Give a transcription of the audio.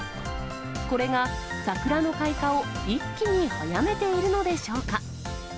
これが桜の開花を一気に早めているのでしょうか。